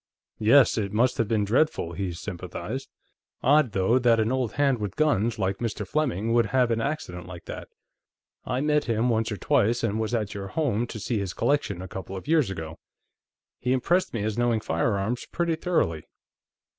"Yes, it must have been dreadful," he sympathized. "Odd, though, that an old hand with guns like Mr. Fleming would have an accident like that. I met him, once or twice, and was at your home to see his collection, a couple of years ago. He impressed me as knowing firearms pretty thoroughly....